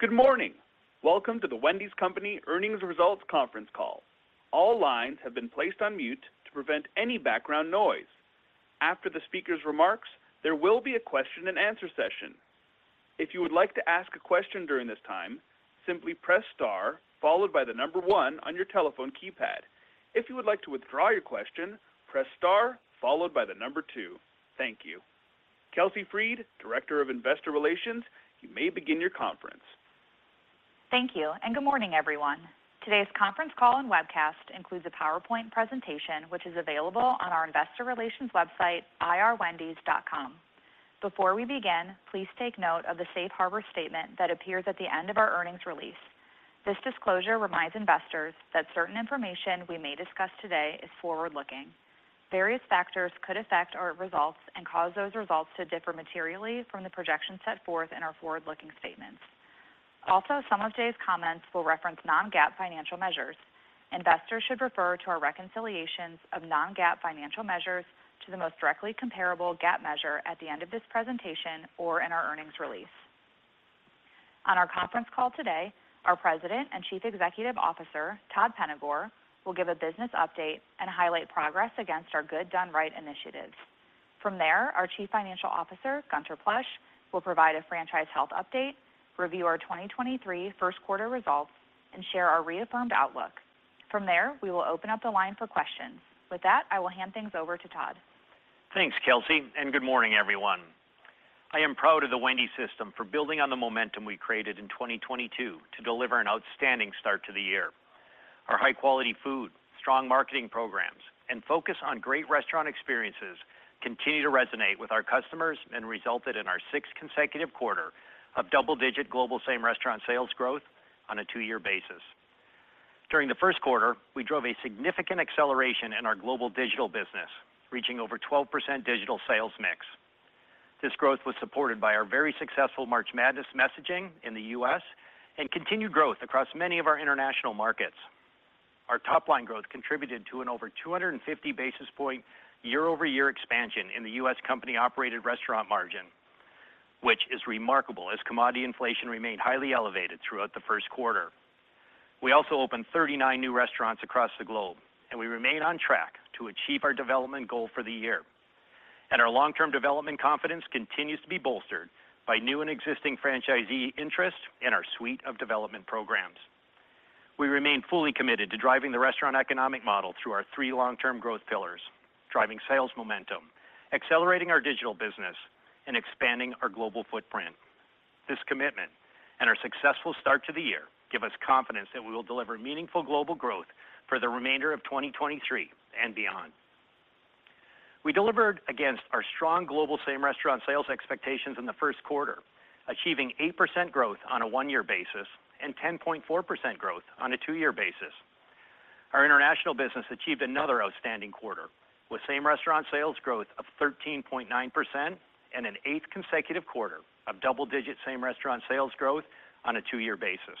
Good morning. Welcome to The Wendy's Company Earnings Results Conference Call. All lines have been placed on mute to prevent any background noise. After the speaker's remarks, there will be a question and answer session. If you would like to ask a question during this time, simply press star followed by the number one on your telephone keypad. If you would like to withdraw your question, press star followed by the number two. Thank you. Kelsey Freed; Director of Investor Relations, you may begin your conference. Thank you, and good morning, everyone. Today's Conference Call and Webcast includes a PowerPoint presentation, which is available on our investor relations website, irwendys.com. Before we begin, please take note of the Safe Harbor statement that appears at the end of our earnings release. This disclosure reminds investors that certain information we may discuss today is forward-looking. Various factors could affect our results and cause those results to differ materially from the projections set forth in our forward-looking statements. Also, some of today's comments will reference non-GAAP financial measures. Investors should refer to our reconciliations of non-GAAP financial measures to the most directly comparable GAAP measure at the end of this presentation or in our earnings release. On our conference call today, our President and Chief Executive Officer; Todd Penegor, will give a business update and highlight progress against our Good Done Right initiatives. Our Chief Financial Officer; Gunther Plosch, will provide a franchise health update, review our 2023 first quarter results, and share our reaffirmed outlook. We will open up the line for questions. With that, I will hand things over to Todd. Thanks, Kelsey, and good morning, everyone. I am proud of the Wendy's system for building on the momentum we created in 2022 to deliver an outstanding start to the year. Our high-quality food, strong marketing programs, and focus on great restaurant experiences continue to resonate with our customers and resulted in our sixth consecutive quarter of double-digit global same-restaurant sales growth on a two-year basis. During the first quarter, we drove a significant acceleration in our global digital business, reaching over 12% digital sales mix. This growth was supported by our very successful March Madness messaging in the U.S. and continued growth across many of our international markets. Our top-line growth contributed to an over 250 basis point year-over-year expansion in the U.S. company-operated restaurant margin, which is remarkable as commodity inflation remained highly elevated throughout the first quarter. We also opened 39 new restaurants across the globe, and we remain on track to achieve our development goal for the year. Our long-term development confidence continues to be bolstered by new and existing franchisee interest in our suite of development programs. We remain fully committed to driving the restaurant economic model through our three long-term growth pillars, driving sales momentum, accelerating our digital business, and expanding our global footprint. This commitment and our successful start to the year give us confidence that we will deliver meaningful global growth for the remainder of 2023 and beyond. We delivered against our strong global same-restaurant sales expectations in the first quarter, achieving 8% growth on a one-year basis and 10.4% growth on a two-year basis. Our international business achieved another outstanding quarter with same-restaurant sales growth of 13.9% and an eighth consecutive quarter of double-digit same-restaurant sales growth on a two-year basis.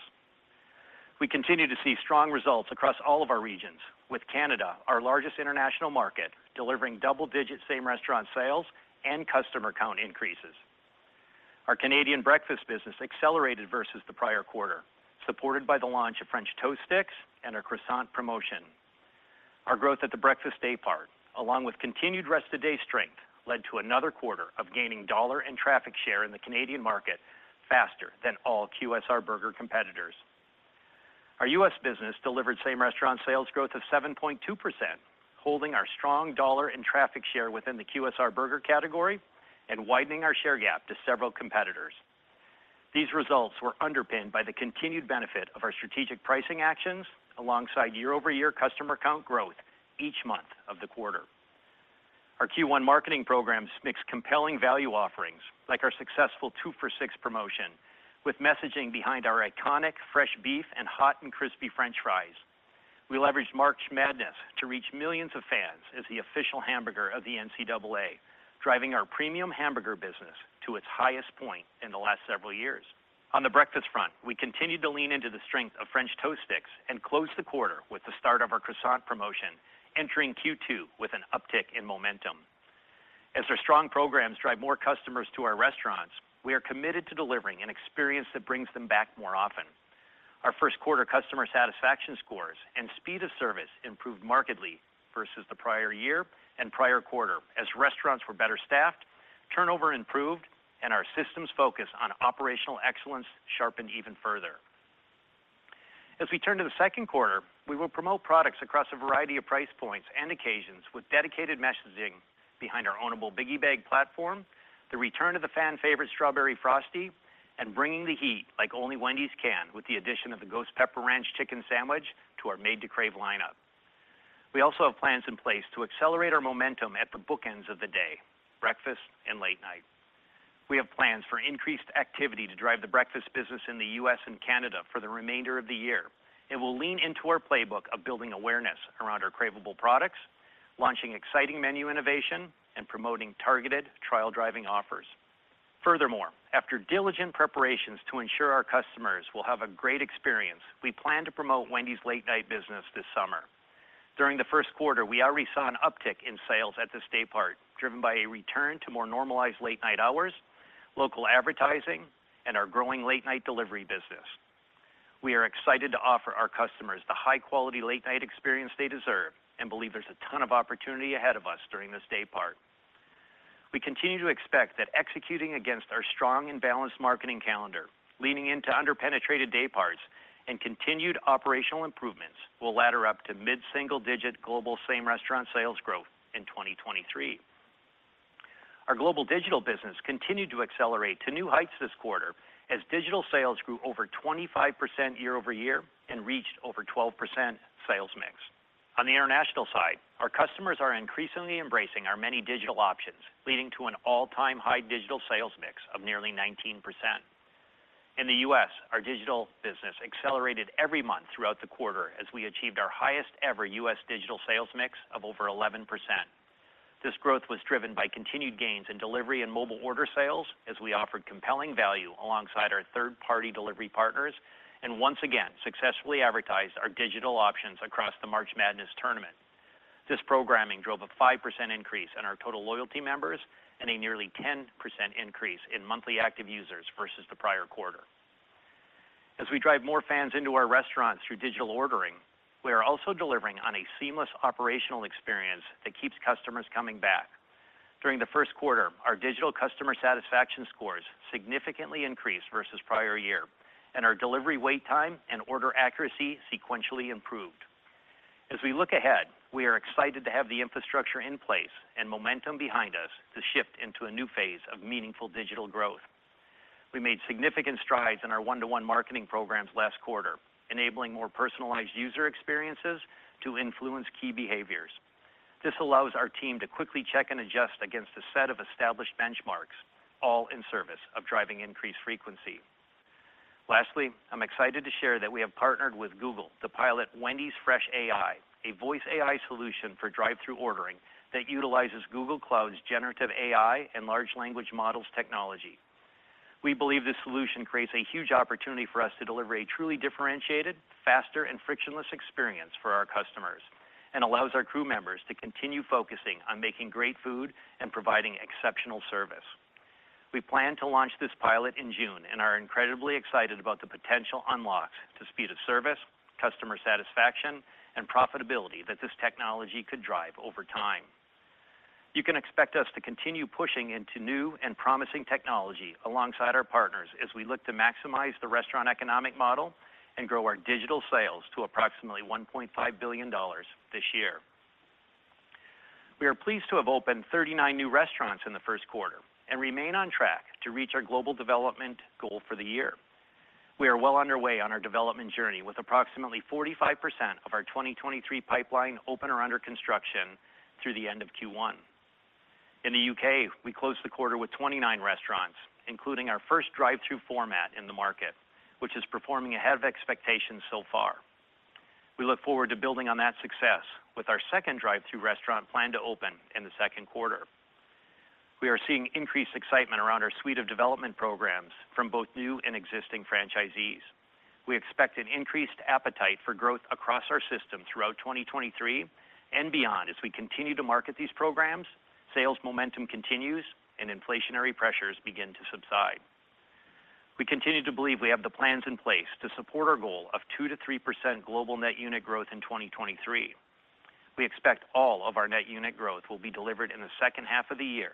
We continue to see strong results across all of our regions, with Canada, our largest international market, delivering double-digit same-restaurant sales and customer count increases. Our Canadian breakfast business accelerated versus the prior quarter, supported by the launch of French toast sticks and our croissant promotion. Our growth at the breakfast day part, along with continued rest of day strength, led to another quarter of gaining dollar and traffic share in the Canadian market faster than all QSR burger competitors. Our U.S. business delivered same-restaurant sales growth of 7.2%, holding our strong dollar and traffic share within the QSR burger category and widening our share gap to several competitors. These results were underpinned by the continued benefit of our strategic pricing actions alongside year-over-year customer count growth each month of the quarter. Our Q1 marketing programs mix compelling value offerings like our successful two for $6 promotion with messaging behind our iconic fresh beef and hot and crispy French fries. We leveraged March Madness to reach millions of fans as the official hamburger of the NCAA, driving our premium hamburger business to its highest point in the last several years. On the breakfast front, we continued to lean into the strength of French toast sticks and closed the quarter with the start of our croissant promotion, entering Q2 with an uptick in momentum. As our strong programs drive more customers to our restaurants, we are committed to delivering an experience that brings them back more often. Our first quarter customer satisfaction scores and speed of service improved markedly versus the prior year and prior quarter as restaurants were better staffed, turnover improved, and our systems focus on operational excellence sharpened even further. As we turn to the second quarter, we will promote products across a variety of price points and occasions with dedicated messaging behind our ownable Biggie Bag platform, the return of the fan favorite Strawberry Frosty, and bringing the heat like only Wendy's can with the addition of the Ghost Pepper Ranch Chicken Sandwich to our Made to Crave lineup. We also have plans in place to accelerate our momentum at the bookends of the day, breakfast and late night. We have plans for increased activity to drive the breakfast business in the U.S. and Canada for the remainder of the year, and we'll lean into our playbook of building awareness around our craveable products, launching exciting menu innovation, and promoting targeted trial driving offers. After diligent preparations to ensure our customers will have a great experience, we plan to promote Wendy's late night business this summer. During the first quarter, we already saw an uptick in sales at the day part, driven by a return to more normalized late night hours, local advertising, and our growing late night delivery business. We are excited to offer our customers the high quality late night experience they deserve and believe there's a ton of opportunity ahead of us during this day part. We continue to expect that executing against our strong and balanced marketing calendar, leaning into under-penetrated day parts and continued operational improvements will ladder up to mid-single-digit global same-restaurant sales growth in 2023. Our global digital business continued to accelerate to new heights this quarter as digital sales grew over 25% year-over-year and reached over 12% sales mix. The international side, our customers are increasingly embracing our many digital options, leading to an all-time high digital sales mix of nearly 19%. The U.S., our digital business accelerated every month throughout the quarter as we achieved our highest ever U.S. digital sales mix of over 11%. This growth was driven by continued gains in delivery and mobile order sales as we offered compelling value alongside our third-party delivery partners and once again successfully advertised our digital options across the March Madness tournament. This programming drove a 5% increase in our total loyalty members and a nearly 10% increase in monthly active users versus the prior quarter. As we drive more fans into our restaurants through digital ordering, we are also delivering on a seamless operational experience that keeps customers coming back. During the first quarter, our digital customer satisfaction scores significantly increased versus prior year and our delivery wait time and order accuracy sequentially improved. As we look ahead, we are excited to have the infrastructure in place and momentum behind us to shift into a new phase of meaningful digital growth. We made significant strides in our one-to-one marketing programs last quarter, enabling more personalized user experiences to influence key behaviors. This allows our team to quickly check and adjust against a set of established benchmarks, all in service of driving increased frequency. Lastly, I'm excited to share that we have partnered with Google to pilot Wendy's Fresh AI, a voice AI solution for drive-thru ordering that utilizes Google Cloud's generative AI and large language models technology. We believe this solution creates a huge opportunity for us to deliver a truly differentiated, faster, and frictionless experience for our customers and allows our crew members to continue focusing on making great food and providing exceptional service. We plan to launch this pilot in June and are incredibly excited about the potential unlocks to speed of service, customer satisfaction, and profitability that this technology could drive over time. You can expect us to continue pushing into new and promising technology alongside our partners as we look to maximize the restaurant economic model and grow our digital sales to approximately $1.5 billion this year. We are pleased to have opened 39 new restaurants in the first quarter and remain on track to reach our global development goal for the year. We are well underway on our development journey with approximately 45% of our 2023 pipeline open or under construction through the end of Q1. In the U.K., we closed the quarter with 29 restaurants, including our first drive-thru format in the market, which is performing ahead of expectations so far. We look forward to building on that success with our second drive-thru restaurant planned to open in the second quarter. We are seeing increased excitement around our suite of development programs from both new and existing franchisees. We expect an increased appetite for growth across our system throughout 2023 and beyond as we continue to market these programs, sales momentum continues, and inflationary pressures begin to subside. We continue to believe we have the plans in place to support our goal of 2%-3% global net unit growth in 2023. We expect all of our net unit growth will be delivered in the second half of the year,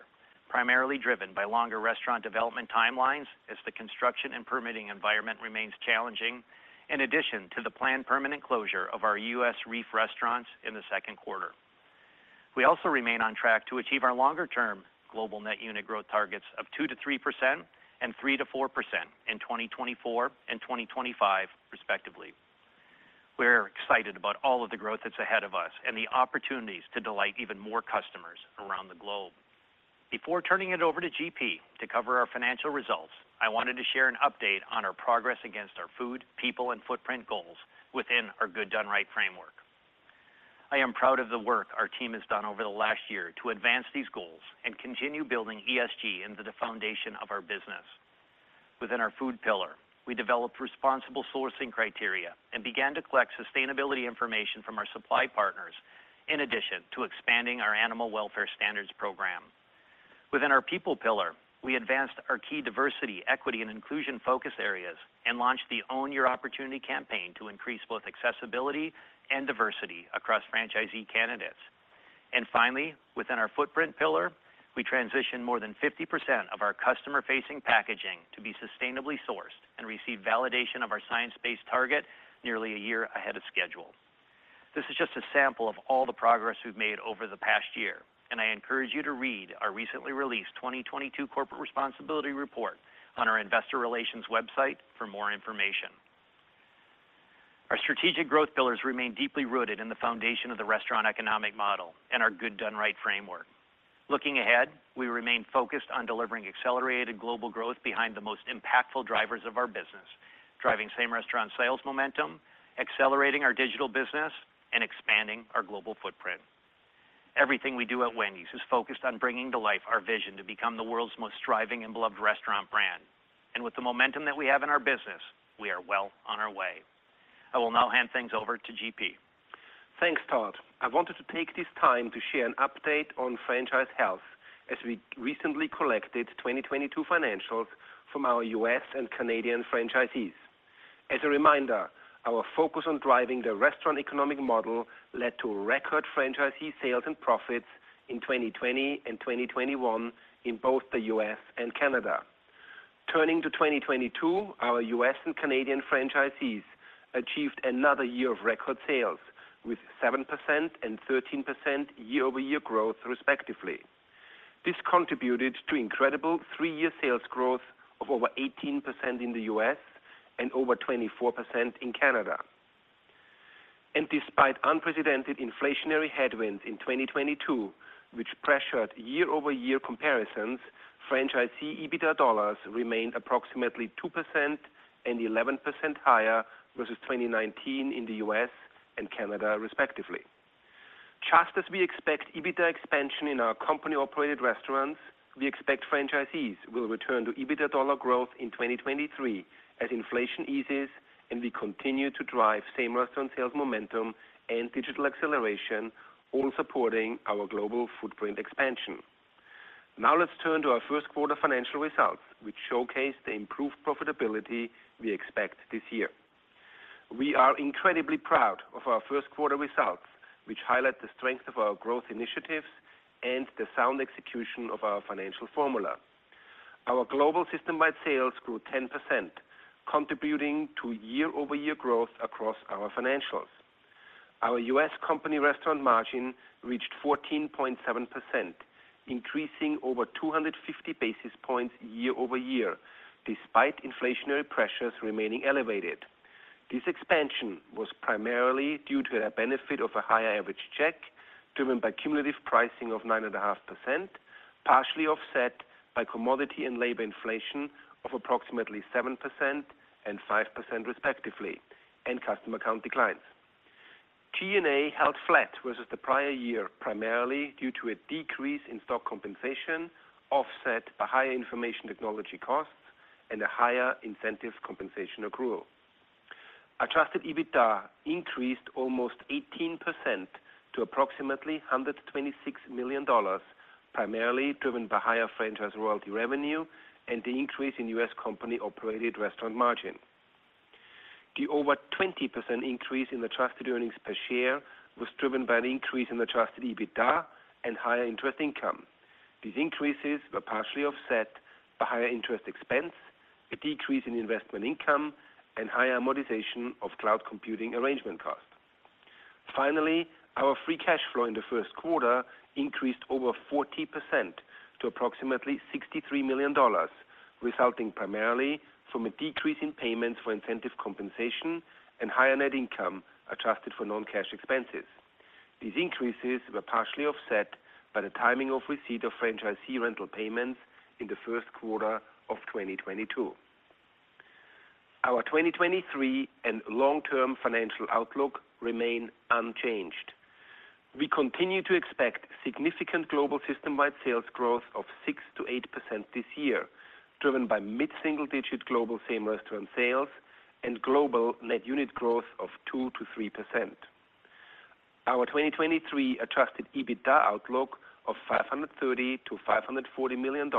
primarily driven by longer restaurant development timelines as the construction and permitting environment remains challenging, in addition to the planned permanent closure of our U.S. REEF restaurants in the second quarter. We also remain on track to achieve our longer-term global net unit growth targets of 2%-3% and 3%-4% in 2024 and 2025 respectively. We are excited about all of the growth that's ahead of us and the opportunities to delight even more customers around the globe. Before turning it over to GP to cover our financial results, I wanted to share an update on our progress against our food, people, and footprint goals within our Good Done Right framework. I am proud of the work our team has done over the last year to advance these goals and continue building ESG into the foundation of our business. Within our food pillar, we developed responsible sourcing criteria and began to collect sustainability information from our supply partners in addition to expanding our animal welfare standards program. Within our people pillar, we advanced our key diversity, equity, and inclusion focus areas and launched the Own Your Opportunity campaign to increase both accessibility and diversity across franchisee candidates. Finally, within our footprint pillar, we transitioned more than 50% of our customer-facing packaging to be sustainably sourced and received validation of our science-based target nearly a year ahead of schedule. This is just a sample of all the progress we've made over the past year, and I encourage you to read our recently released 2022 Corporate Responsibility Report on our investor relations website for more information. Our strategic growth pillars remain deeply rooted in the foundation of the restaurant economic model and our Good Done Right framework. Looking ahead, we remain focused on delivering accelerated global growth behind the most impactful drivers of our business, driving same-restaurant sales momentum, accelerating our digital business, and expanding our global footprint. Everything we do at Wendy's is focused on bringing to life our vision to become the world's most thriving and beloved restaurant brand. With the momentum that we have in our business, we are well on our way. I will now hand things over to GP. Thanks, Todd. I wanted to take this time to share an update on franchise health as we recently collected 2022 financials from our U.S. and Canadian franchisees. As a reminder, our focus on driving the restaurant economic model led to record franchisee sales and profits in 2020 and 2021 in both the U.S. and Canada. Turning to 2022, our U.S. and Canadian franchisees achieved another year of record sales with 7% and 13% year-over-year growth, respectively. This contributed to incredible three-year sales growth of over 18% in the U.S. and over 24% in Canada. Despite unprecedented inflationary headwinds in 2022, which pressured year-over-year comparisons, franchisee EBITDA dollars remained approximately 2% and 11% higher versus 2019 in the U.S. and Canada, respectively. Just as we expect EBITDA expansion in our company-operated restaurants, we expect franchisees will return to EBITDA dollar growth in 2023 as inflation eases and we continue to drive same-restaurant sales momentum and digital acceleration, all supporting our global footprint expansion. Let's turn to our first quarter financial results, which showcase the improved profitability we expect this year. We are incredibly proud of our first quarter results, which highlight the strength of our growth initiatives and the sound execution of our financial formula. Our global system-wide sales grew 10%, contributing to year-over-year growth across our financials. Our U.S. company restaurant margin reached 14.7%, increasing over 250 basis points year-over-year, despite inflationary pressures remaining elevated. This expansion was primarily due to a benefit of a higher average check, driven by cumulative pricing of 9.5%, partially offset by commodity and labor inflation of approximately 7% and 5%, respectively, and customer count declines. G&A held flat versus the prior year, primarily due to a decrease in stock compensation offset by higher information technology costs and a higher incentive compensation accrual. Adjusted EBITDA increased almost 18% to approximately $126 million, primarily driven by higher franchise royalty revenue and the increase in U.S. company-operated restaurant margin. The over 20% increase in adjusted earnings per share was driven by an increase in adjusted EBITDA and higher interest income. These increases were partially offset by higher interest expense, a decrease in investment income, and higher amortization of cloud computing arrangement costs. Finally, our free cash flow in the first quarter increased over 40% to approximately $63 million, resulting primarily from a decrease in payments for incentive compensation and higher net income adjusted for non-cash expenses. These increases were partially offset by the timing of receipt of franchisee rental payments in the first quarter of 2022. Our 2023 and long-term financial outlook remain unchanged. We continue to expect significant global system-wide sales growth of 6%-8% this year, driven by mid-single digit global same-restaurant sales and global net unit growth of 2%-3%. Our 2023 adjusted EBITDA outlook of $530 million-$540 million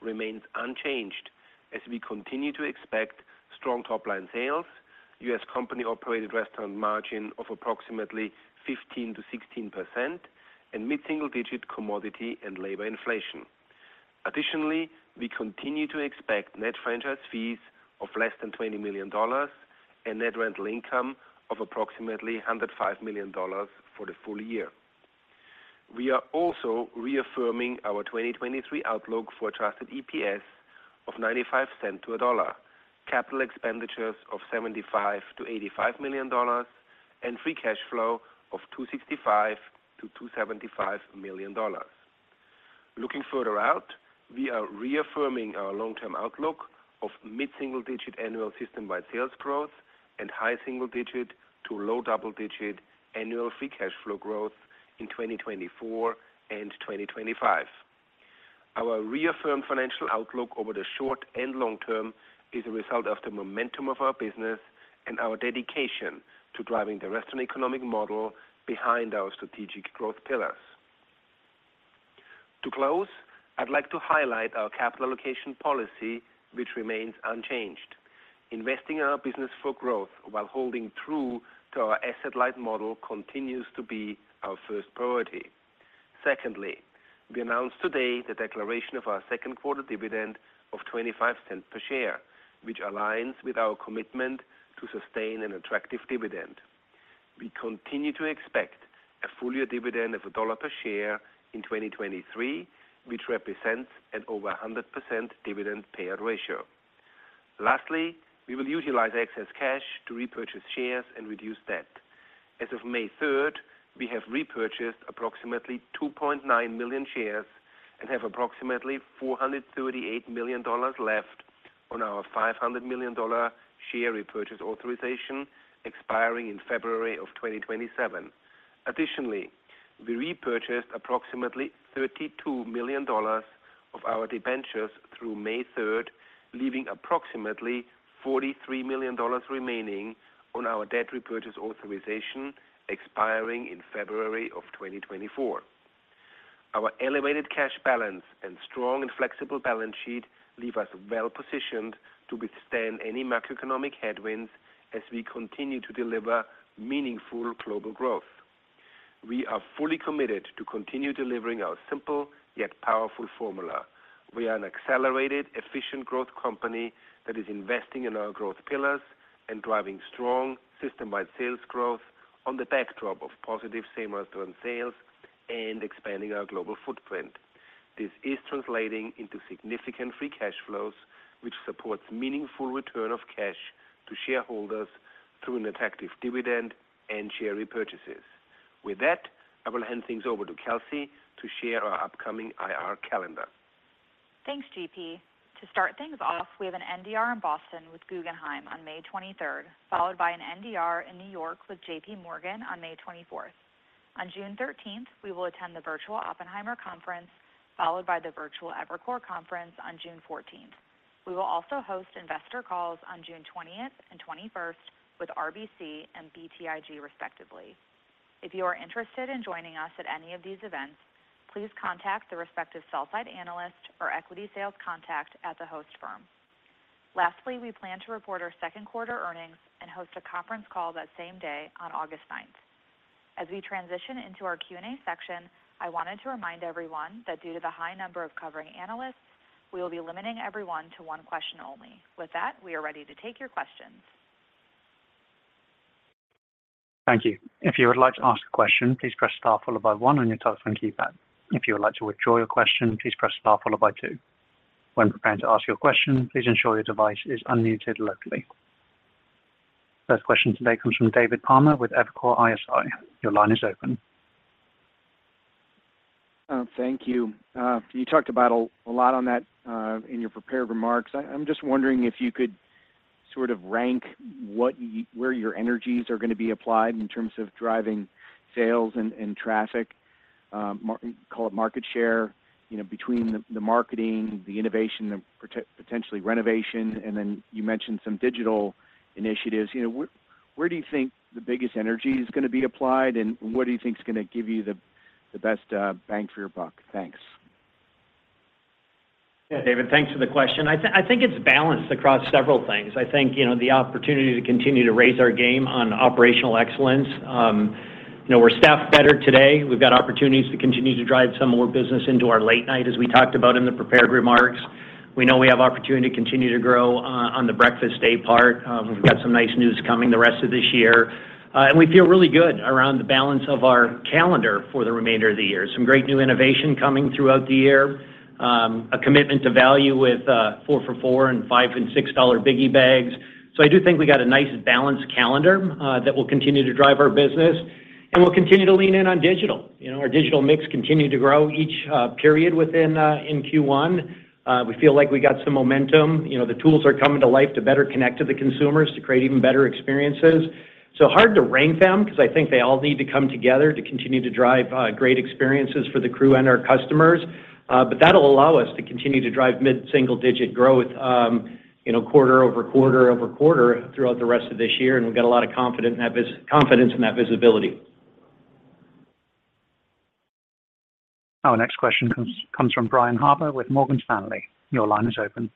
remains unchanged as we continue to expect strong top line sales, U.S. company-operated restaurant margin of approximately 15%-16% and mid-single digit commodity and labor inflation. We continue to expect net franchise fees of less than $20 million and net rental income of approximately $105 million for the full year. We are also reaffirming our 2023 outlook for adjusted EPS of $0.95-$1.00, capital expenditures of $75 million-$85 million, and free cash flow of $265 million-$275 million. Looking further out, we are reaffirming our long-term outlook of mid-single digit annual system-wide sales growth and high single digit to low double-digit annual free cash flow growth in 2024 and 2025. Our reaffirmed financial outlook over the short and long term is a result of the momentum of our business and our dedication to driving the restaurant economic model behind our strategic growth pillars. To close, I'd like to highlight our capital allocation policy, which remains unchanged. Investing in our business for growth while holding true to our asset-light model continues to be our first priority. Secondly, we announced today the declaration of our second quarter dividend of $0.25 per share, which aligns with our commitment to sustain an attractive dividend. We continue to expect a full year dividend of $1 per share in 2023, which represents an over 100% dividend payout ratio. Lastly, we will utilize excess cash to repurchase shares and reduce debt. As of May third, we have repurchased approximately 2.9 million shares and have approximately $438 million left On our $500 million share repurchase authorization expiring in February of 2027. Additionally, we repurchased approximately $32 million of our debentures through May 3rd, leaving approximately $43 million remaining on our debt repurchase authorization expiring in February of 2024. Our elevated cash balance and strong and flexible balance sheet leave us well positioned to withstand any macroeconomic headwinds as we continue to deliver meaningful global growth. We are fully committed to continue delivering our simple yet powerful formula. We are an accelerated, efficient growth company that is investing in our growth pillars and driving strong system-wide sales growth on the backdrop of positive same-restaurant sales and expanding our global footprint. This is translating into significant free cash flows, which supports meaningful return of cash to shareholders through an attractive dividend and share repurchases. With that, I will hand things over to Kelsey to share our upcoming IR calendar. Thanks, GP. To start things off, we have an NDR in Boston with Guggenheim on May 23, followed by an NDR in New York with J.P. Morgan on May 24. On June 13, we will attend the virtual Oppenheimer Conference, followed by the virtual Evercore Conference on June 14. We will also host investor calls on June 20 and 21 with RBC and BTIG respectively. If you are interested in joining us at any of these events, please contact the respective sell side analyst or equity sales contact at the host firm. Lastly, we plan to report our Second Quarter Earnings and host a conference call that same day on August 9. As we transition into our Q&A section, I wanted to remind everyone that due to the high number of covering analysts, we will be limiting everyone to one question only. With that, we are ready to take your questions. Thank you. If you would like to ask a question, please press star followed by one on your telephone keypad. If you would like to withdraw your question, please press star followed by two. When preparing to ask your question, please ensure your device is unmuted locally. First question today comes from David Palmer with Evercore ISI. Your line is open. Thank you. You talked about a lot on that in your prepared remarks. I'm just wondering if you could sort of rank where your energies are gonna be applied in terms of driving sales and traffic, call it market share, you know, between the marketing, the innovation and potentially renovation, and then you mentioned some digital initiatives. You know, where do you think the biggest energy is gonna be applied, and what do you think is gonna give you the best bang for your buck? Thanks. Yeah, David, thanks for the question. I think it's balanced across several things. I think, you know, the opportunity to continue to raise our game on operational excellence. You know, we're staffed better today. We've got opportunities to continue to drive some more business into our late night as we talked about in the prepared remarks. We know we have opportunity to continue to grow on the breakfast daypart. We've got some nice news coming the rest of this year. We feel really good around the balance of our calendar for the remainder of the year. Some great new innovation coming throughout the year. A commitment to value with four for $4 and five and six dollar Biggie Bags. I do think we got a nice balanced calendar that will continue to drive our business, and we'll continue to lean in on digital. You know, our digital mix continued to grow each period within in Q1. We feel like we got some momentum. You know, the tools are coming to life to better connect to the consumers to create even better experiences. Hard to rank them because I think they all need to come together to continue to drive great experiences for the crew and our customers. But that'll allow us to continue to drive mid-single digit growth, you know, quarter-over-quarter-over-quarter throughout the rest of this year, and we've got a lot of confidence in that visibility. Our next question comes from Brian Harbour with Morgan Stanley. Your line is open.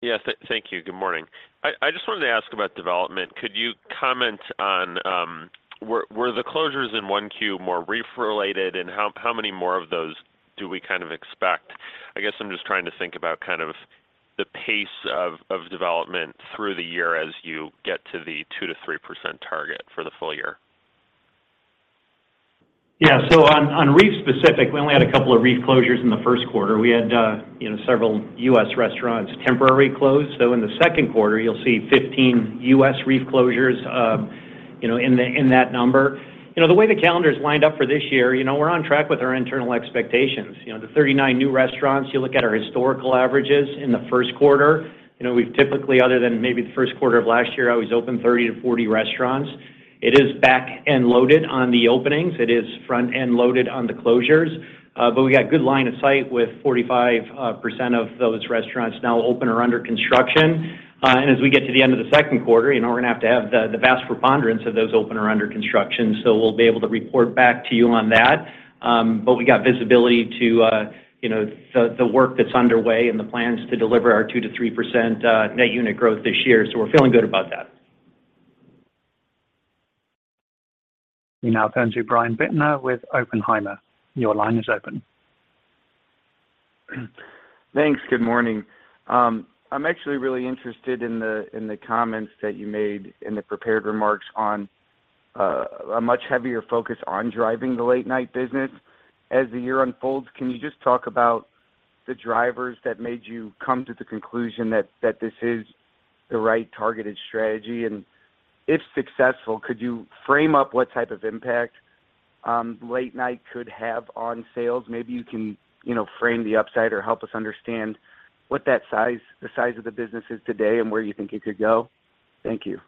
Yes. Thank you. Good morning. I just wanted to ask about development. Could you comment on, were the closures in 1Q more REEF related, and how many more of those do we kind of expect? I guess I'm just trying to think about kind of the pace of development through the year as you get to the 2% to 3% target for the full year. Yeah. On, on REEF specific, we only had 2 REEF closures in the 1st quarter. We had, you know, several U.S. restaurants temporary closed. In the 2nd quarter, you'll see 15 U.S. REEF closures, you know, in that number. You know, the way the calendar's lined up for this year, you know, we're on track with our internal expectations. You know, the 39 new restaurants, you look at our historical averages in the 1st quarter. You know, we've typically, other than maybe the 1st quarter of last year, always opened 30 to 40 restaurants. It is back-end loaded on the openings. It is front-end loaded on the closures. We got good line of sight with 45% of those restaurants now open or under construction. As we get to the end of the second quarter, you know, we're gonna have to have the vast preponderance of those open or under construction. We'll be able to report back to you on that. We got visibility to, you know, the work that's underway and the plans to deliver our 2%-3% net unit growth this year. We're feeling good about that. We now turn to Brian Bittner with Oppenheimer. Your line is open. Thanks. Good morning. I'm actually really interested in the comments that you made in the prepared remarks on a much heavier focus on driving the late night business as the year unfolds. Can you just talk about the drivers that made you come to the conclusion that this is the right targeted strategy? If successful, could you frame up what type of impact late night could have on sales. Maybe you can, you know, frame the upside or help us understand what the size of the business is today and where you think it could go. Thank you.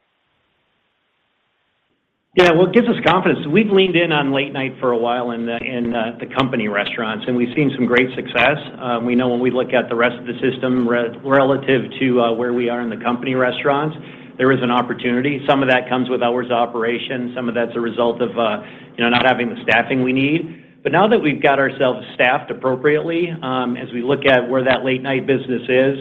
Yeah. What gives us confidence, we've leaned in on late night for a while in the company restaurants, and we've seen some great success. We know when we look at the rest of the system relative to where we are in the company restaurants, there is an opportunity. Some of that comes with hours of operation. Some of that's a result of, you know, not having the staffing we need. Now that we've got ourselves staffed appropriately, as we look at where that late night business is,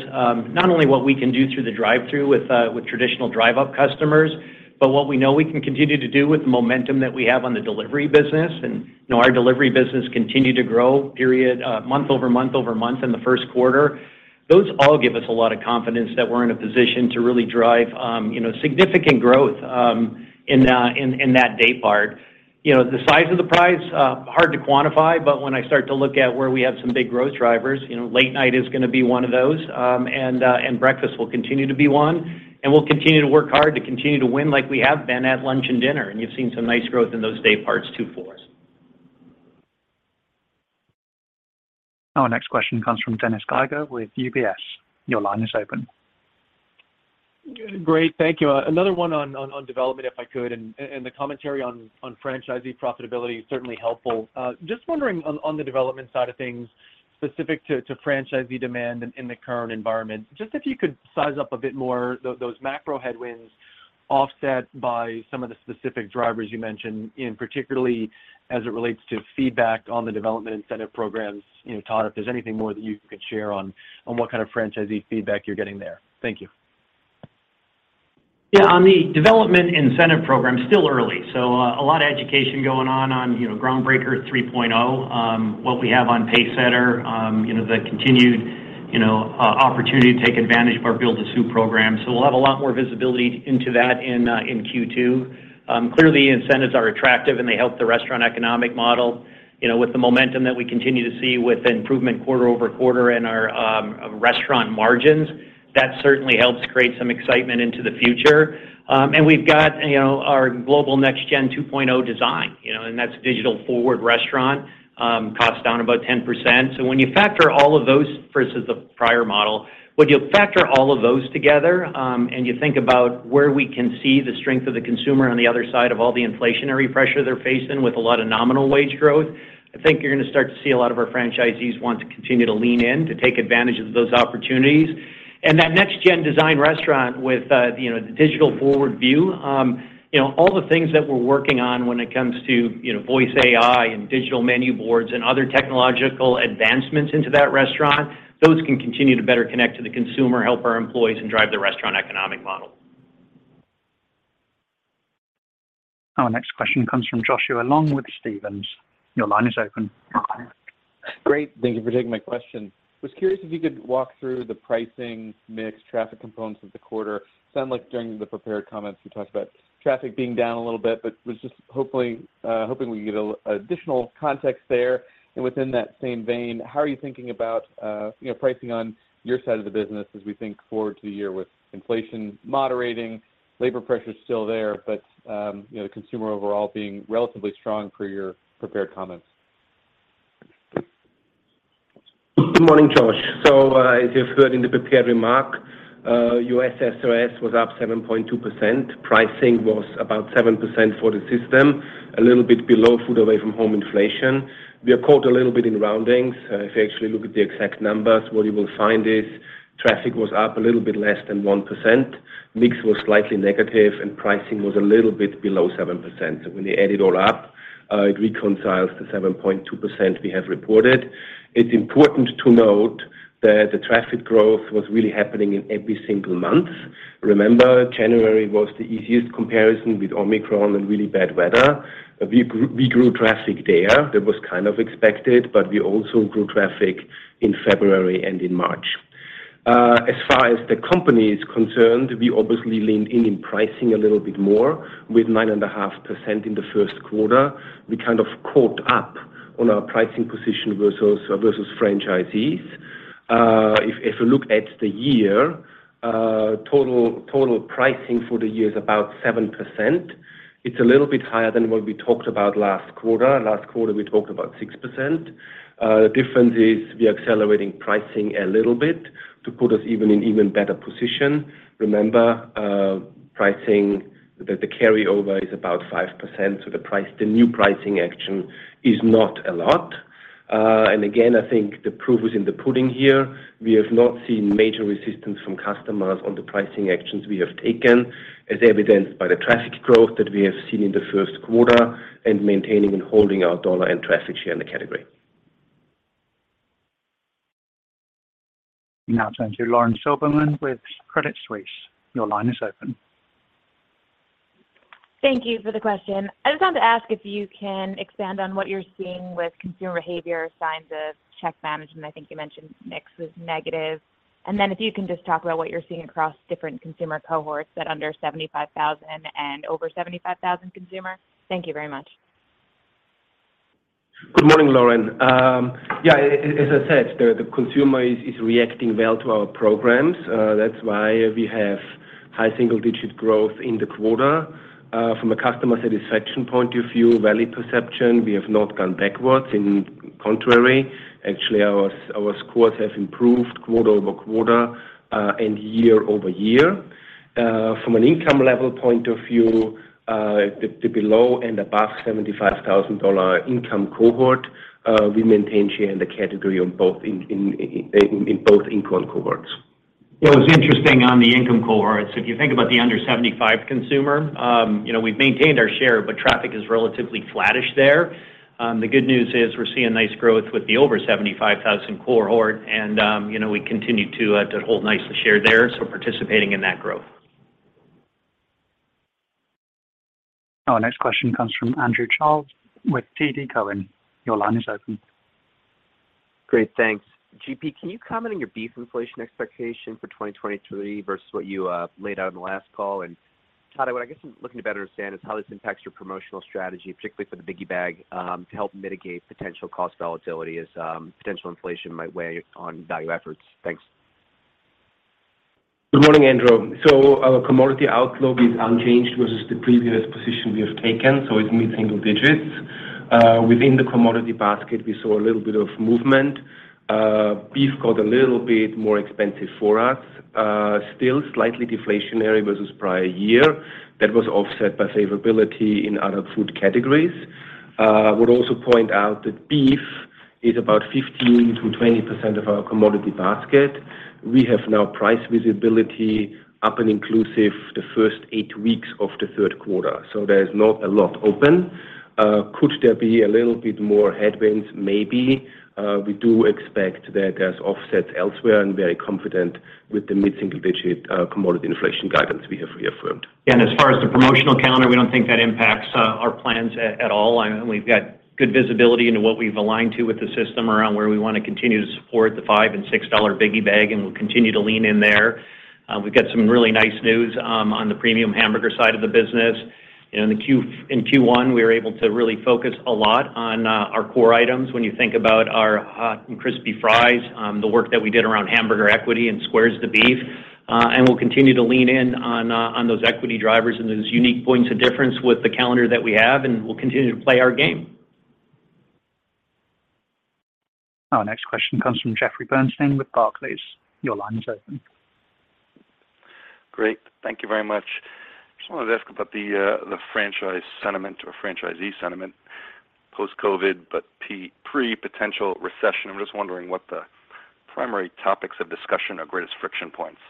not only what we can do through the drive-thru with traditional drive up customers, but what we know we can continue to do with the momentum that we have on the delivery business. You know, our delivery business continued to grow period, month-over-month-over-month in the first quarter. Those all give us a lot of confidence that we're in a position to really drive, you know, significant growth in that day part. You know, the size of the prize, hard to quantify, but when I start to look at where we have some big growth drivers, you know, late night is gonna be one of those, and breakfast will continue to be one. We'll continue to work hard to continue to win like we have been at lunch and dinner, and you've seen some nice growth in those day parts too for us. Our next question comes from Dennis Geiger with UBS. Your line is open. Great. Thank you. Another one on development, if I could, and the commentary on franchisee profitability is certainly helpful. Just wondering on the development side of things, specific to franchisee demand in the current environment. Just if you could size up a bit more those macro headwinds offset by some of the specific drivers you mentioned in particularly as it relates to feedback on the development incentive programs. You know, Todd, if there's anything more that you could share on what kind of franchisee feedback you're getting there. Thank you. Yeah. On the development incentive program, still early. A lot of education going on on, you know, Groundbreaker 3.0, what we have on Pacesetter, you know, the continued, you know, opportunity to take advantage of our Build-to-Suit program. We'll have a lot more visibility into that in Q2. Clearly, incentives are attractive, and they help the restaurant economic model. You know, with the momentum that we continue to see with improvement quarter-over-quarter in our restaurant margins, that certainly helps create some excitement into the future. We've got, you know, our Global Next Gen 2.0 design, you know, and that's digital-forward restaurant, cost down about 10%. When you factor all of those versus the prior model, when you factor all of those together, and you think about where we can see the strength of the consumer on the other side of all the inflationary pressure they're facing with a lot of nominal wage growth, I think you're gonna start to see a lot of our franchisees want to continue to lean in to take advantage of those opportunities. That Next Gen design restaurant with the digital forward view, all the things that we're working on when it comes to voice AI and digital menu boards and other technological advancements into that restaurant, those can continue to better connect to the consumer, help our employees, and drive the restaurant economic model. Our next question comes from Joshua Long with Stephens. Your line is open. Great. Thank you for taking my question. Was curious if you could walk through the pricing mix traffic components of the quarter? Sound like during the prepared comments, you talked about traffic being down a little bit, but was just hopefully hoping we could get a, additional context there. Within that same vein, how are you thinking about, you know, pricing on your side of the business as we think forward to the year with inflation moderating, labor pressures still there, but, you know, consumer overall being relatively strong per your prepared comments? Good morning, Josh. As you've heard in the prepared remark, U.S. SOS was up 7.2%. Pricing was about 7% for the system, a little bit below food away from home inflation. We are caught a little bit in roundings. If you actually look at the exact numbers, what you will find is traffic was up a little bit less than 1%. Mix was slightly negative, and pricing was a little bit below 7%. When you add it all up, it reconciles the 7.2% we have reported. It's important to note that the traffic growth was really happening in every single month. Remember, January was the easiest comparison with Omicron and really bad weather. We grew traffic there. That was kind of expected, but we also grew traffic in February and in March. As far as the company is concerned, we obviously leaned in in pricing a little bit more with 9.5% in the first quarter. We kind of caught up on our pricing position versus franchisees. If you look at the year, total pricing for the year is about 7%. It's a little bit higher than what we talked about last quarter. Last quarter, we talked about 6%. The difference is we are accelerating pricing a little bit to put us even in even better position. Remember, pricing, the carryover is about 5%, so the new pricing action is not a lot. Again, I think the proof is in the pudding here. We have not seen major resistance from customers on the pricing actions we have taken as evidenced by the traffic growth that we have seen in the first quarter and maintaining and holding our dollar and traffic share in the category. Turn to Lauren Silberman with Credit Suisse. Your line is open. Thank you for the question. I just wanted to ask if you can expand on what you're seeing with consumer behavior, signs of check management. I think you mentioned mix was negative. If you can just talk about what you're seeing across different consumer cohorts at under $75,000 and over $75,000 consumer. Thank you very much. Good morning, Lauren. yeah, as I said, the consumer is reacting well to our programs. That's why we have high single-digit growth in the quarter. From a customer satisfaction point of view, value perception, we have not gone backwards. In contrary, actually, our scores have improved quarter-over-quarter, and year-over-year. From an income level point of view, the below and above $75,000 income cohort, we maintain share in the category on both income cohorts. What's interesting on the income cohorts, if you think about the under $75,000 consumer, you know, we've maintained our share, but traffic is relatively flattish there. The good news is we're seeing nice growth with the over $75,000 cohort and, you know, we continue to hold nicely share there, so participating in that growth. Our next question comes from Andrew Charles with TD Cowen. Your line is open. Great. Thanks. GP, can you comment on your beef inflation expectation for 2023 versus what you laid out in the last call? Todd, what I guess I'm looking to better understand is how this impacts your promotional strategy, particularly for the Biggie Bag, to help mitigate potential cost volatility as potential inflation might weigh on value efforts. Thanks. Good morning, Andrew. Our commodity outlook is unchanged versus the previous position we have taken, so it's mid-single digits. Within the commodity basket, we saw a little bit of movement. Beef got a little bit more expensive for us, still slightly deflationary versus prior year. That was offset by favorability in other food categories. I would also point out that beef is about 15%-20% of our commodity basket. We have now price visibility up and inclusive the first 8 weeks of the third quarter, so there's not a lot open. Could there be a little bit more headwinds? Maybe. We do expect that there's offsets elsewhere and very confident with the mid-single digit commodity inflation guidance we have reaffirmed. As far as the promotional calendar, we don't think that impacts our plans at all. We've got good visibility into what we've aligned to with the system around where we wanna continue to support the $5 and $6 Biggie Bag, and we'll continue to lean in there. We've got some really nice news on the premium hamburger side of the business. You know, in Q1 we were able to really focus a lot on our core items when you think about our hot and crispy fries, the work that we did around hamburger equity and squares the beef. We'll continue to lean in on those equity drivers and those unique points of difference with the calendar that we have, and we'll continue to play our game. Our next question comes from Jeffrey Bernstein with Barclays. Your line is open. Great. Thank you very much. Just wanted to ask about the franchise sentiment or franchisee sentiment post-COVID, but pre-potential recession. I'm just wondering what the primary topics of discussion or greatest friction points.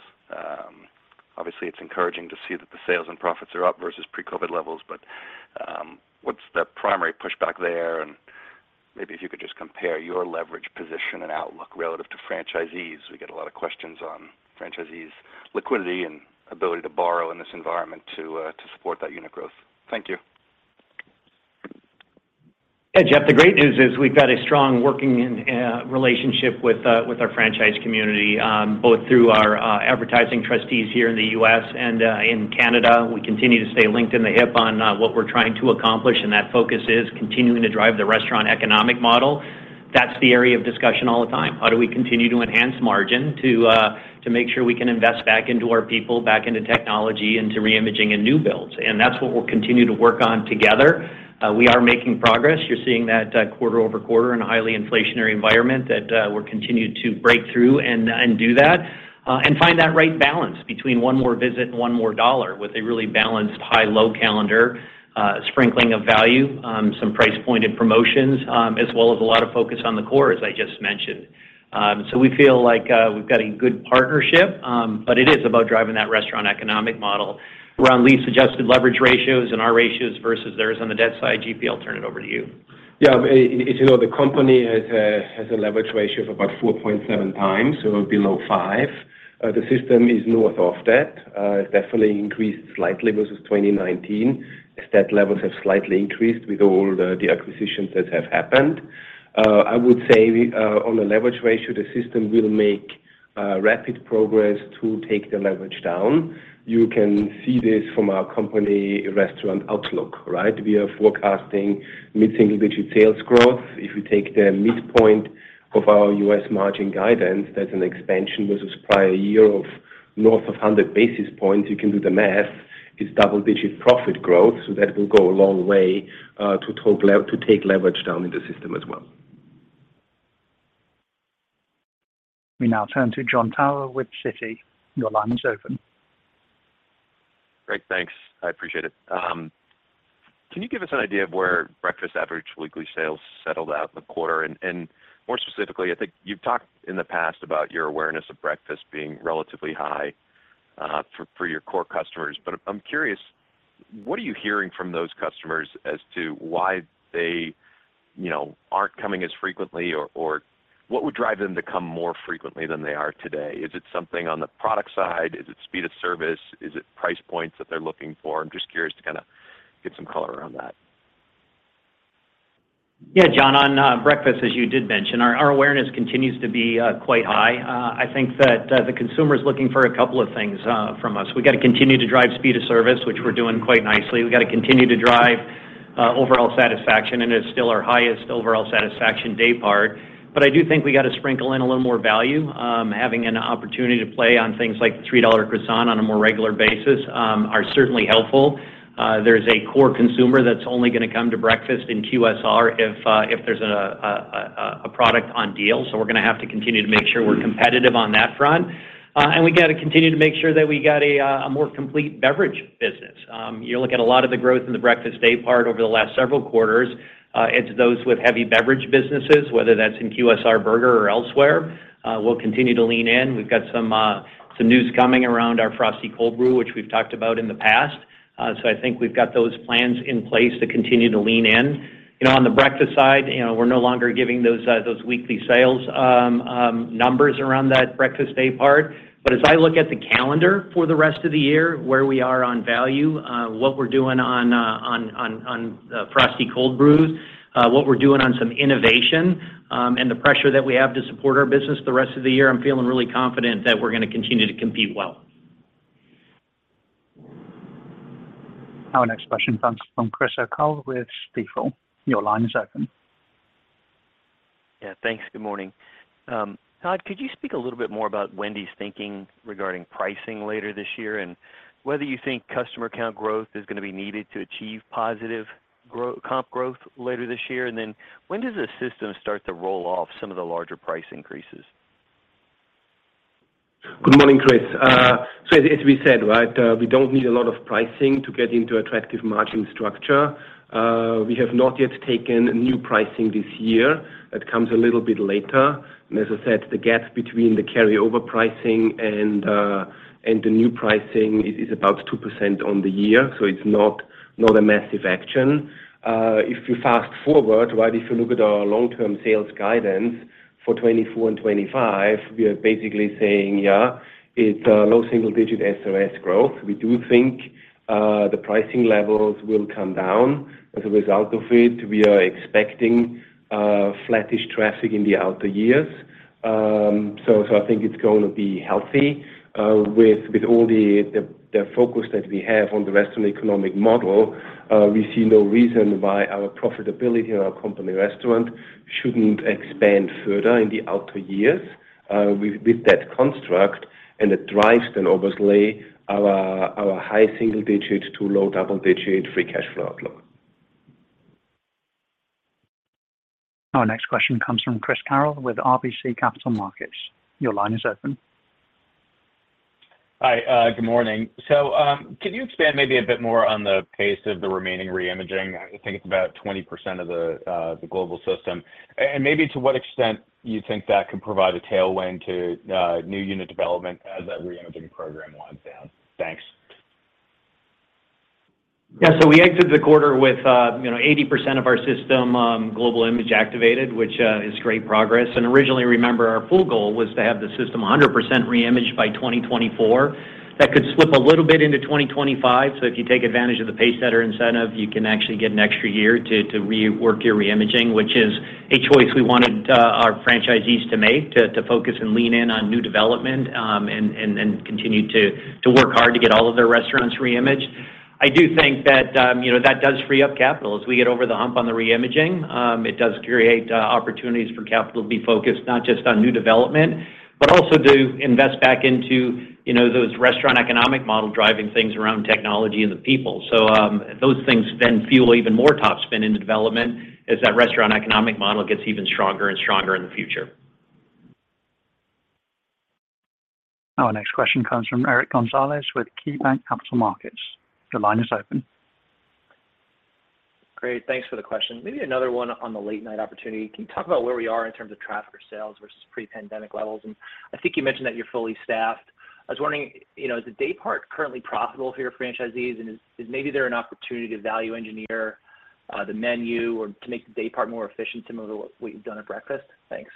Obviously, it's encouraging to see that the sales and profits are up versus pre-COVID levels, but, what's the primary pushback there? Maybe if you could just compare your leverage position and outlook relative to franchisees. We get a lot of questions on franchisees' liquidity and ability to borrow in this environment to support that unit growth. Thank you. Yeah, Jeff, the great news is we've got a strong working in relationship with our franchise community, both through our advertising trustees here in the U.S. and in Canada. We continue to stay linked in the hip on what we're trying to accomplish, and that focus is continuing to drive the restaurant economic model. That's the area of discussion all the time. How do we continue to enhance margin to make sure we can invest back into our people, back into technology, into reimaging and new builds? That's what we'll continue to work on together. We are making progress. You're seeing that quarter-over-quarter in a highly inflationary environment, that we're continued to break through and do that and find that right balance between 1 more visit and $1 more with a really balanced high-low calendar, sprinkling of value, some price point and promotions, as well as a lot of focus on the core, as I just mentioned. We feel like we've got a good partnership, but it is about driving that restaurant economic model. Around GP's suggested leverage ratios and our ratios versus theirs on the debt side, GP, I'll turn it over to you. As you know, the company has a leverage ratio of about 4.7 times, so below 5. The system is north of that. It's definitely increased slightly versus 2019 as debt levels have slightly increased with all the acquisitions that have happened. I would say we on a leverage ratio, the system will make rapid progress to take the leverage down. You can see this from our company restaurant outlook, right. We are forecasting mid-single digit sales growth. If you take the midpoint of our U.S. margin guidance, that's an expansion versus prior year of north of 100 basis points. You can do the math. It's double-digit profit growth, so that will go a long way to take leverage down in the system as well. We now turn to Jon Tower with Citi. Your line is open. Great. Thanks. I appreciate it. Can you give us an idea of where breakfast average weekly sales settled out in the quarter? More specifically, I think you've talked in the past about your awareness of breakfast being relatively high, for your core customers. I'm curious, what are you hearing from those customers as to why they, you know, aren't coming as frequently? What would drive them to come more frequently than they are today? Is it something on the product side? Is it speed of service? Is it price points that they're looking for? I'm just curious to kinda get some color around that. Yeah, John. On breakfast, as you did mention, our awareness continues to be quite high. I think that the consumer's looking for a couple of things from us. We gotta continue to drive speed of service, which we're doing quite nicely. We gotta continue to drive overall satisfaction and is still our highest overall satisfaction day part. I do think we got to sprinkle in a little more value. Having an opportunity to play on things like $3 croissant on a more regular basis are certainly helpful. There's a core consumer that's only going to come to breakfast in QSR if there's a product on deal. We're going to have to continue to make sure we're competitive on that front. We got to continue to make sure that we got a more complete beverage business. You look at a lot of the growth in the breakfast day part over the last several quarters, it's those with heavy beverage businesses, whether that's in QSR burger or elsewhere, we'll continue to lean in. We've got some news coming around our Frosty Cream Cold Brew, which we've talked about in the past. I think we've got those plans in place to continue to lean in. You know, on the breakfast side, you know, we're no longer giving those weekly sales numbers around that breakfast day part. As I look at the calendar for the rest of the year, where we are on value, what we're doing on Frosty Cold Brews, what we're doing on some innovation, and the pressure that we have to support our business the rest of the year, I'm feeling really confident that we're going to continue to compete well. Our next question comes from Chris O'Cull with Stifel. Your line is open. Yeah. Thanks. Good morning. Todd, could you speak a little bit more about Wendy's thinking regarding pricing later this year, and whether you think customer count growth is going to be needed to achieve positive comp growth later this year? Then when does the system start to roll off some of the larger price increases? Good morning, Chris. As we said, right, we don't need a lot of pricing to get into attractive margin structure. We have not yet taken new pricing this year. That comes a little bit later. As I said, the gap between the carryover pricing and the new pricing is about 2% on the year, so it's not a massive action. If you fast-forward, right? If you look at our long-term sales guidance for 2024 and 2025, we are basically saying, yeah, it's a low single-digit SOS growth. We do think the pricing levels will come down as a result of it. We are expecting flattish traffic in the outer years. I think it's going to be healthy with all the focus that we have on the restaurant economic model. We see no reason why our profitability in our company restaurant shouldn't expand further in the outer years, with that construct, and it drives then obviously our high single digits to low double-digit free cash flow outlook. Our next question comes from Chris Carril with RBC Capital Markets. Your line is open. Hi. Good morning. Can you expand maybe a bit more on the pace of the remaining reimaging? I think it's about 20% of the global system. And maybe to what extent you think that could provide a tailwind to new unit development as that reimaging program winds down. Thanks. Yeah. We exited the quarter with, you know, 80% of our system, global image activated, which is great progress. Originally, remember, our full goal was to have the system 100% reimaged by 2024. That could slip a little bit into 2025. If you take advantage of the Pacesetter incentive, you can actually get an extra year to re-work your reimaging, which is a choice we wanted, our franchisees to make to focus and lean in on new development, and continue to work hard to get all of their restaurants reimaged. I do think that, you know, that does free up capital. As we get over the hump on the reimaging, it does create opportunities for capital to be focused not just on new development, but also to invest back into, you know, those restaurant economic model driving things around technology and the people. Those things then fuel even more top spend into development as that restaurant economic model gets even stronger and stronger in the future. Our next question comes from Eric Gonzalez with KeyBanc Capital Markets. Your line is open. Great. Thanks for the question. Maybe another one on the late night opportunity. Can you talk about where we are in terms of traffic or sales versus pre-pandemic levels? I think you mentioned that you're fully staffed. I was wondering, you know, is the day part currently profitable for your franchisees? Is maybe there an opportunity to value engineer the menu or to make the day part more efficient similar to what you've done at breakfast? Thanks.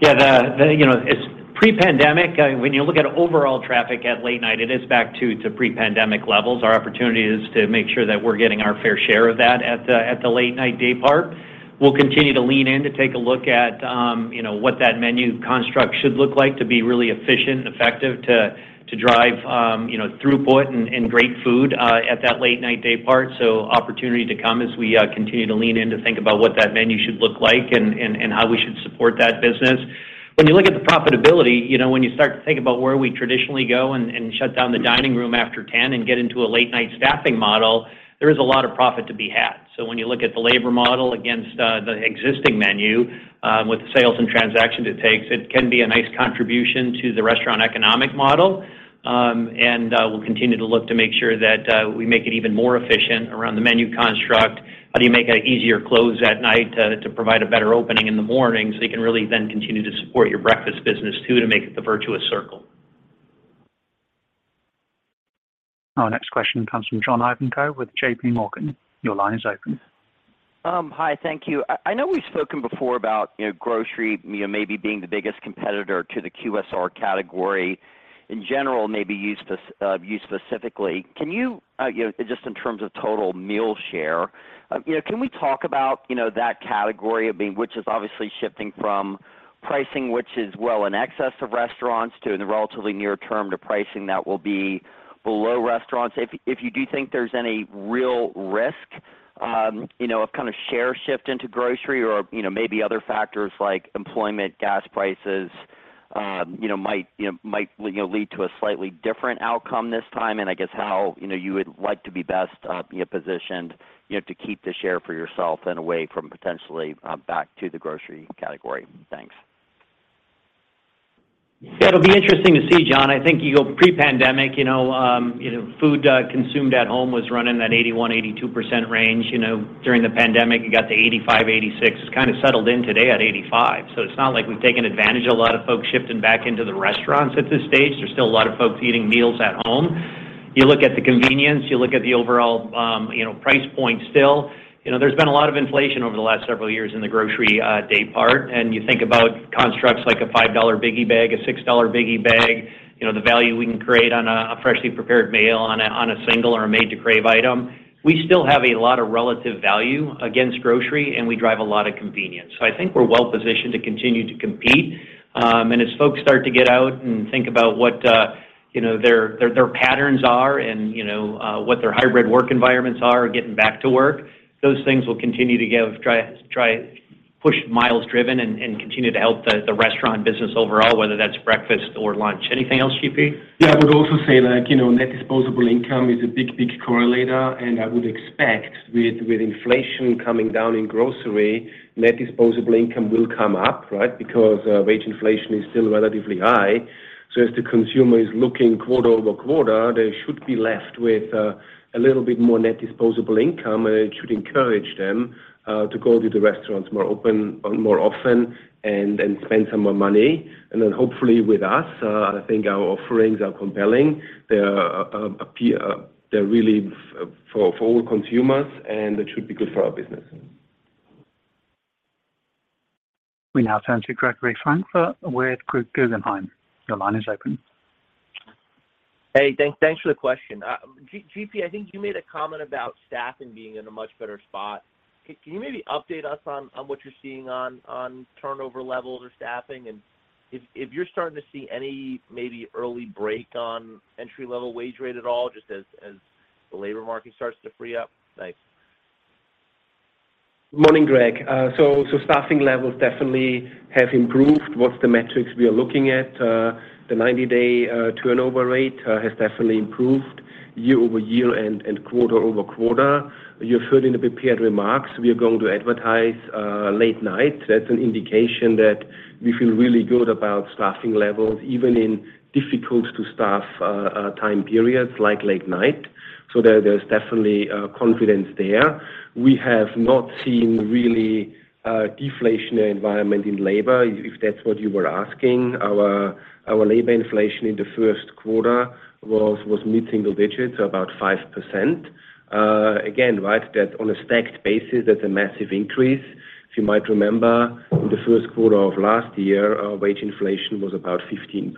Yeah. You know, it's pre-pandemic, when you look at overall traffic at late night, it is back to pre-pandemic levels. Our opportunity is to make sure that we're getting our fair share of that at the late night day part. We'll continue to lean in to take a look at, you know, what that menu construct should look like to be really efficient and effective to drive, you know, throughput and great food at that late night day part. Opportunity to come as we continue to lean in to think about what that menu should look like and how we should support that business. When you look at the profitability, you know, when you start to think about where we traditionally go and shut down the dining room after 10 and get into a late night staffing model, there is a lot of profit to be had. When you look at the labor model against the existing menu, with the sales and transactions it takes, it can be a nice contribution to the restaurant economic model. And we'll continue to look to make sure that we make it even more efficient around the menu construct. How do you make an easier close at night to provide a better opening in the morning so you can really then continue to support your breakfast business too, to make it the virtuous circle. Our next question comes from John Ivankoe with J.P. Morgan. Your line is open. Hi. Thank you. I know we've spoken before about, you know, grocery, you know, maybe being the biggest competitor to the QSR category. In general, maybe you specifically. Can you know, just in terms of total meal share, you know, can we talk about, you know, that category of being which is obviously shifting from. Pricing which is well in excess of restaurants to in the relatively near term to pricing that will be below restaurants. If you do think there's any real risk, you know, of kind of share shift into grocery or, you know, maybe other factors like employment, gas prices, you know, might, you know, lead to a slightly different outcome this time, and I guess how, you know, you would like to be best, you know, positioned, you know, to keep the share for yourself and away from potentially, back to the grocery category. Thanks. It'll be interesting to see, John. I think you go pre-pandemic, you know, food consumed at home was running that 81%-82% range. You know, during the pandemic, it got to 85%-86%. It's kinda settled in today at 85%. It's not like we've taken advantage of a lot of folks shifting back into the restaurants at this stage. There's still a lot of folks eating meals at home. You look at the convenience, you look at the overall, you know, price point still. You know, there's been a lot of inflation over the last several years in the grocery day part, you think about constructs like a $5 Biggie Bag, a $6 Biggie Bag, you know, the value we can create on a freshly prepared meal on a single or a Made to Crave item. We still have a lot of relative value against grocery, and we drive a lot of convenience. I think we're well positioned to continue to compete. As folks start to get out and think about what, you know, their, their patterns are and, you know, what their hybrid work environments are getting back to work, those things will continue to push miles driven and continue to help the restaurant business overall, whether that's breakfast or lunch. Anything else, GP? Yeah. I would also say, like, you know, net disposable income is a big, big correlator. I would expect with inflation coming down in grocery, net disposable income will come up, right? Because wage inflation is still relatively high. As the consumer is looking quarter over quarter, they should be left with a little bit more net disposable income, and it should encourage them to go to the restaurants more often and spend some more money. Hopefully with us, I think our offerings are compelling. They're really for all consumers, and that should be good for our business. We now turn to Gregory Francfort with Guggenheim. Your line is open. Hey, thanks for the question. GP, I think you made a comment about staffing being in a much better spot. Can you maybe update us on what you're seeing on turnover levels or staffing? If you're starting to see any maybe early break on entry-level wage rate at all, just as the labor market starts to free up? Thanks. Morning, Greg. Staffing levels definitely have improved. What's the metrics we are looking at? The 90-day turnover rate has definitely improved year-over-year and quarter-over-quarter. You heard in the prepared remarks we are going to advertise late night. That's an indication that we feel really good about staffing levels, even in difficult-to-staff time periods like late night. There's definitely confidence there. We have not seen really a deflationary environment in labor, if that's what you were asking. Our labor inflation in the first quarter was mid-single digits, so about 5%. Again, right, that on a stacked basis, that's a massive increase. If you might remember, in the first quarter of last year, our wage inflation was about 15%.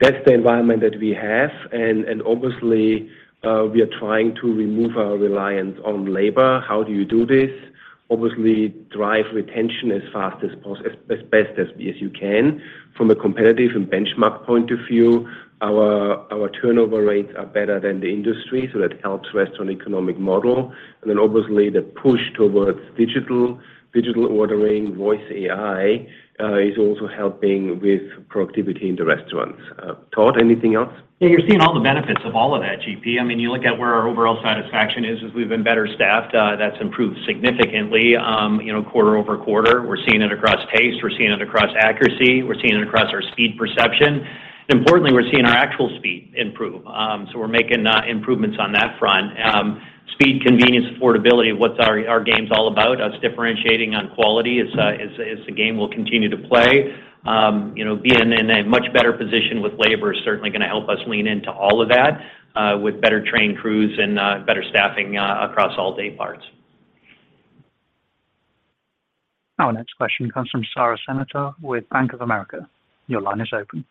That's the environment that we have. Obviously, we are trying to remove our reliance on labor. How do you do this? Obviously, drive retention as best as you can. From a competitive and benchmark point of view, our turnover rates are better than the industry, so that helps restaurant economic model. Obviously, the push towards digital ordering, voice AI is also helping with productivity in the restaurants. Todd, anything else? Yeah. You're seeing all the benefits of all of that, GP. I mean, you look at where our overall satisfaction is as we've been better staffed, that's improved significantly, you know, quarter-over-quarter. We're seeing it across taste. We're seeing it across accuracy. We're seeing it across our speed perception. Importantly, we're seeing our actual speed improve. We're making improvements on that front. Speed, convenience, affordability, what's our game's all about. Us differentiating on quality is a game we'll continue to play. You know, being in a much better position with labor is certainly gonna help us lean into all of that with better trained crews and better staffing across all day parts. Our next question comes from Sara Senatore with Bank of America. Your line is open.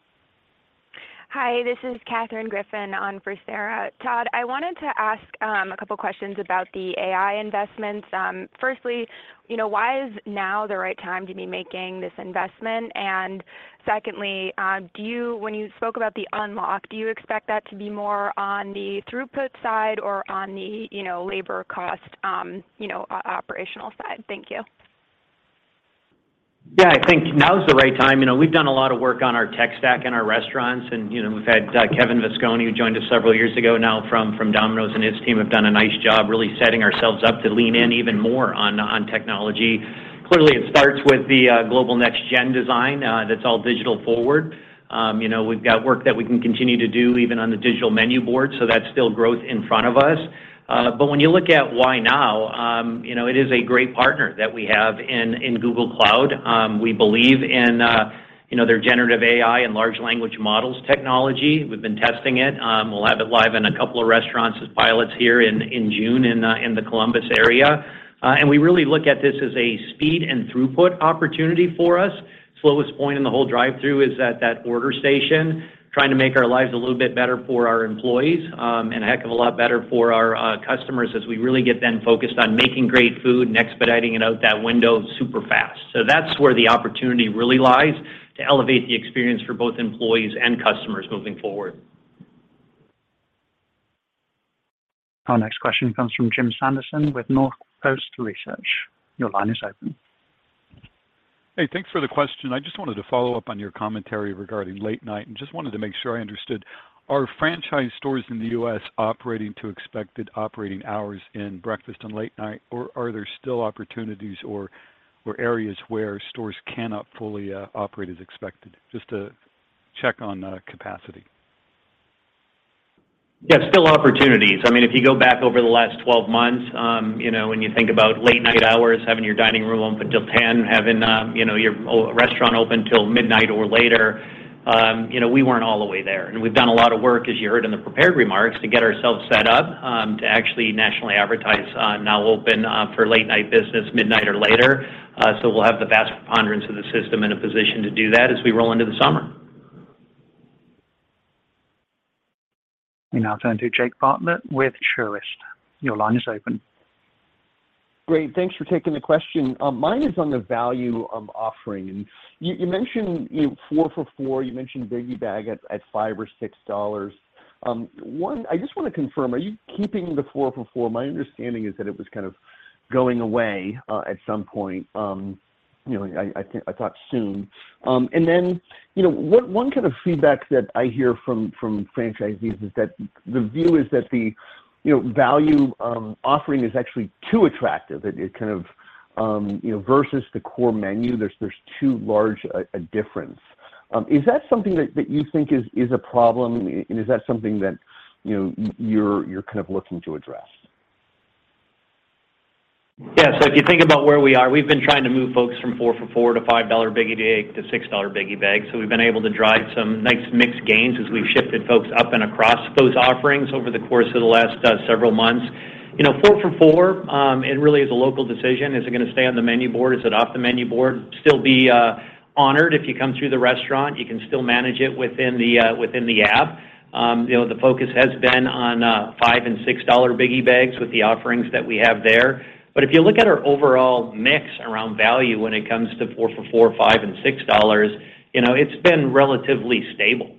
Hi, this is Katherine Griffin on for Sara. Todd, I wanted to ask a couple questions about the AI investments. Firstly, you know, why is now the right time to be making this investment? Secondly, when you spoke about the unlock, do you expect that to be more on the throughput side or on the, you know, labor cost, you know, operational side? Thank you. Yeah. I think now is the right time. You know, we've done a lot of work on our tech stack in our restaurants, you know, we've had Kevin Vasconi, who joined us several years ago now from Domino's, and his team have done a nice job really setting ourselves up to lean in even more on technology. Clearly, it starts with the Global Next Gen design that's all digital forward. You know, we've got work that we can continue to do even on the digital menu board, so that's still growth in front of us. When you look at why now, you know, it is a great partner that we have in Google Cloud. We believe in, you know, their generative AI and large language models technology. We've been testing it. We'll have it live in tworestaurants as pilots here in June in the Columbus area. We really look at this as a speed and throughput opportunity for us. Slowest point in the whole drive-thru is at that order station, trying to make our lives a little bit better for our employees, and a heck of a lot better for our customers as we really get then focused on making great food and expediting it out that window super fast. That's where the opportunity really lies to elevate the experience for both employees and customers moving forward. Our next question comes from Jim Sanderson with Northcoast Research. Your line is open. Hey, thanks for the question. I just wanted to follow up on your commentary regarding late night and just wanted to make sure I understood. Are franchise stores in the U.S. operating to expected operating hours in breakfast and late night, or are there still opportunities or areas where stores cannot fully operate as expected? Just to check on capacity. Yeah, still opportunities. I mean, if you go back over the last 12 months, you know, when you think about late night hours, having your dining room open till 10, having, you know, your restaurant open till midnight or later, you know, we weren't all the way there. We've done a lot of work, as you heard in the prepared remarks, to get ourselves set up, to actually nationally advertise, now open, for late night business midnight or later. We'll have the vast preponderance of the system in a position to do that as we roll into the summer. We now turn to Jake Bartlett with Truist. Your line is open. Great, thanks for taking the question. Mine is on the value of offering. You mentioned, you know, four for $4, you mentioned Biggie Bag at $5 or $6. One, I just wanna confirm, are you keeping the four for $4? My understanding is that it was kind of going away at some point, you know, I thought soon. Then, you know, one kind of feedback that I hear from franchisees is that the view is that the, you know, value offering is actually too attractive. It kind of, you know, versus the core menu, there's too large a difference. Is that something that you think is a problem? Is that something that, you know, you're kind of looking to address? Yeah. If you think about where we are, we've been trying to move folks from four for $4 to $5 Biggie Bag to $6 Biggie Bag. We've been able to drive some nice mixed gains as we've shifted folks up and across those offerings over the course of the last several months. You know, four for $4, it really is a local decision. Is it gonna stay on the menu board? Is it off the menu board? Still be honored if you come through the restaurant, you can still manage it within the within the app. You know, the focus has been on $5 and $6 Biggie Bags with the offerings that we have there. If you look at our overall mix around value when it comes to four for $4, $5 and $6, you know, it's been relatively stable.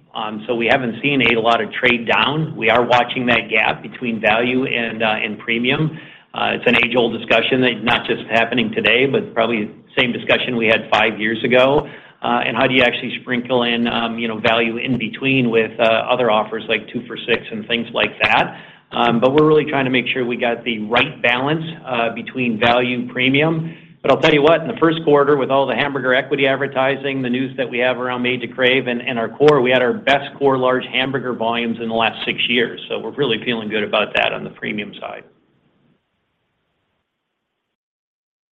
We haven't seen a lot of trade down. We are watching that gap between value and premium. It's an age-old discussion, not just happening today, but probably same discussion we had five years ago. How do you actually sprinkle in, you know, value in between with other offers like two for $6 and things like that. We're really trying to make sure we got the right balance between value and premium. I'll tell you what, in the first quarter, with all the hamburger equity advertising, the news that we have around Made to Crave and our core, we had our best core large hamburger volumes in the last six years. We're really feeling good about that on the premium side.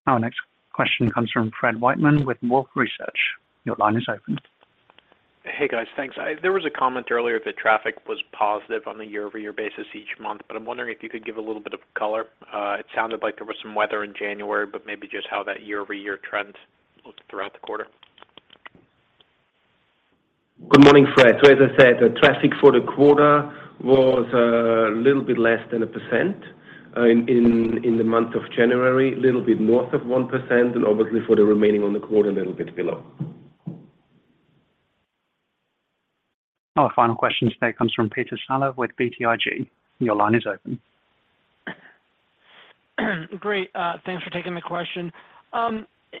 Our next question comes from Fred Wightman with Wolfe Research. Your line is open. Hey, guys. Thanks. There was a comment earlier that traffic was positive on a year-over-year basis each month, but I'm wondering if you could give a little bit of color. It sounded like there was some weather in January, but maybe just how that year-over-year trend looked throughout the quarter. Good morning, Fred. As I said, traffic for the quarter was a little bit less than 1%. In the month of January, a little bit north of 1%, obviously for the remaining on the quarter, a little bit below. Our final question today comes from Peter Saleh with BTIG. Your line is open. Great. Thanks for taking the question.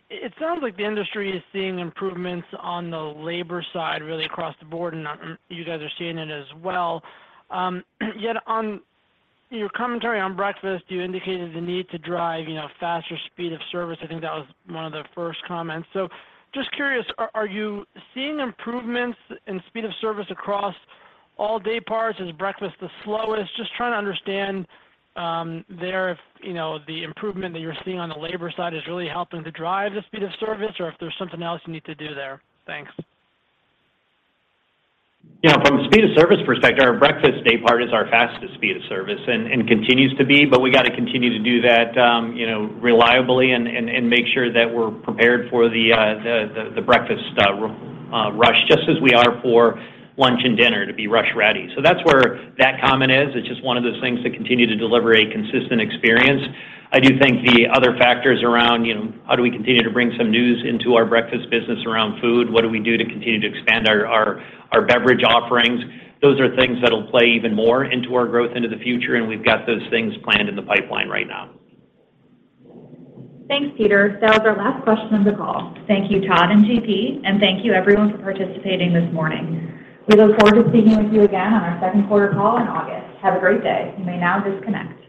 It sounds like the industry is seeing improvements on the labor side really across the board, you guys are seeing it as well. Yet on your commentary on breakfast, you indicated the need to drive, you know, faster speed of service. I think that was one of the first comments. Just curious, are you seeing improvements in speed of service across all day parts? Is breakfast the slowest? Just trying to understand there if, you know, the improvement that you're seeing on the labor side is really helping to drive the speed of service or if there's something else you need to do there. Thanks. From a speed of service perspective, our breakfast day part is our fastest speed of service and continues to be, we got to continue to do that, you know, reliably and make sure that we're prepared for the breakfast rush, just as we are for lunch and dinner to be rush ready. That's where that comment is. It's just one of those things to continue to deliver a consistent experience. I do think the other factors around, you know, how do we continue to bring some news into our breakfast business around food? What do we do to continue to expand our beverage offerings? Those are things that'll play even more into our growth into the future, and we've got those things planned in the pipeline right now. Thanks, Peter. That was our last question of the call. Thank you, Todd and GP, and thank you everyone for participating this morning. We look forward to speaking with you again on our second quarter call in August. Have a great day. You may now disconnect.